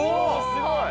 すごい！